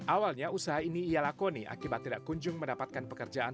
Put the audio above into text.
awalnya usaha ini ia lakoni akibat tidak kunjung mendapatkan pekerjaan